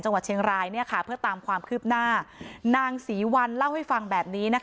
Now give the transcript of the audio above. จังหวัดเชียงรายเพื่อตามความคืบหน้านางศรีวัลเล่าให้ฟังแบบนี้นะคะ